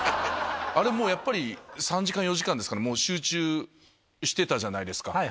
あれもうやっぱり、３時間、４時間ですかね、もう集中してたじゃないですか。